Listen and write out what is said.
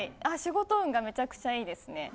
あ仕事運がめちゃくちゃいいですね。